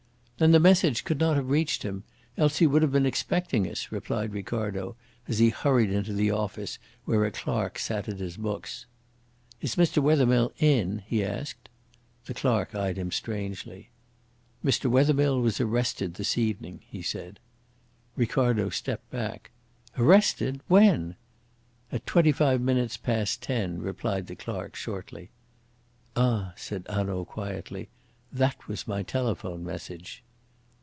"Then the message could not have reached him, else he would have been expecting us," replied Ricardo, as he hurried into the office, where a clerk sat at his books. "Is Mr. Wethermill in?" he asked. The clerk eyed him strangely. "Mr. Wethermill was arrested this evening," he said. Ricardo stepped back. "Arrested! When?" "At twenty five minutes past ten," replied the clerk shortly. "Ah," said Hanaud quietly. "That was my telephone message."